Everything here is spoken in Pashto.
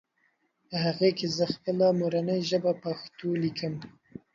په هغې کې زهٔ خپله مورنۍ ژبه پښتو ليکم